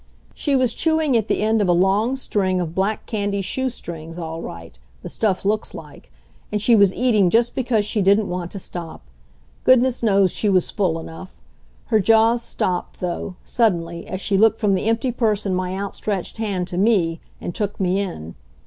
She was chewing at the end of a long string of black candy shoe strings, all right, the stuff looks like and she was eating just because she didn't want to stop. Goodness knows, she was full enough. Her jaws stopped, though, suddenly, as she looked from the empty purse in my outstretched hand to me, and took me in.